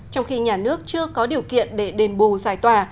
trong khi nhà nước chưa có điều kiện để đền bù giải tỏa